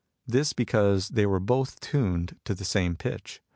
This because they were both tuned to the same pitch.